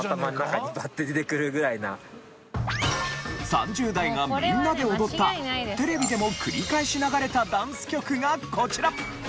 ３０代がみんなで踊ったテレビでも繰り返し流れたダンス曲がこちら！